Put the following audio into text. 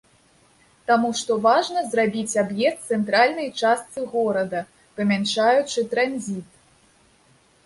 Таму што важна зрабіць аб'езд цэнтральнай частцы горада, памяншаючы транзіт.